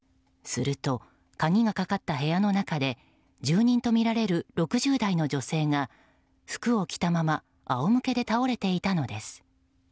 すると、鍵がかかった部屋の中で住人とみられる６０代の女性が服を着たまま仰向けで倒れていたのです。